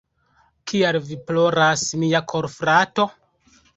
Kial vi ploras, mia korfrato?